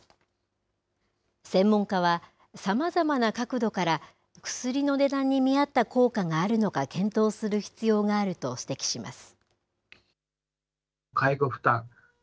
専門家は、さまざまな角度から、薬の値段に見合った効果があるのか検討する必要があると指摘します。